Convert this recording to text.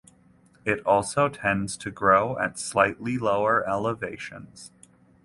It also tends to grow at slightly lower elevations.